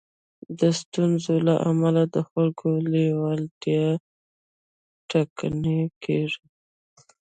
د ستونزو له امله د خلکو لېوالتيا ټکنۍ کېږي.